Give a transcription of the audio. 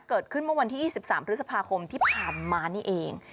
เกิดขึ้นเมื่อวันที่๒๓พฤษภาคมที่ผ่านมานี่เอง